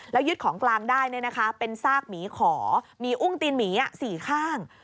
แล้วยึดของกลางได้เป็นซากหมีขอมีอุ้งตีนหมี๔ข้าง